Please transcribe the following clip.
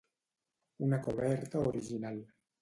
Una coberta original.